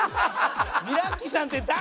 ミラッキさんって誰！？